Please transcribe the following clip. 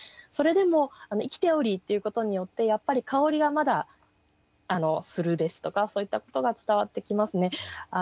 それでも「生きてをり」っていうことによってやっぱり香りがまだするですとかそういったことが伝わってきますね。